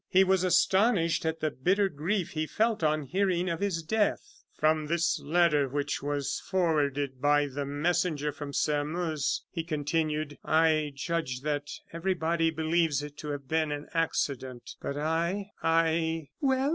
He was astonished at the bitter grief he felt on hearing of his death. "From this letter which was forwarded by a messenger from Sairmeuse," he continued, "I judge that everybody believes it to have been an accident; but I I " "Well?"